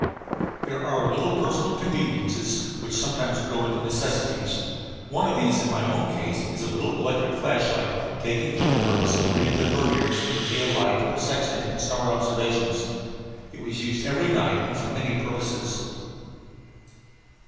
There are little personal conveniences which sometimes grow into necessities. One of these in my own case was a little electric flash light taken for the purpose of reading the verniers of a theodolite or sextant in star observations. It was used every night and for many purposes.